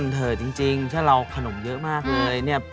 เถิดจริงถ้าเราขนมเยอะมากเลยเนี่ย